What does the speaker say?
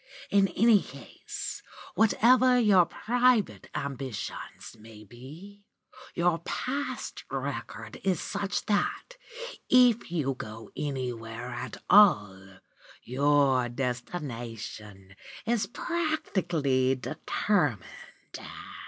In any case, whatever your private ambitions may be, your past record is such that, if you go anywhere at all, your destination is practically determined.